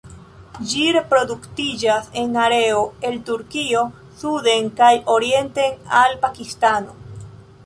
Ĝi reproduktiĝas en areo el Turkio suden kaj orienten al Pakistano.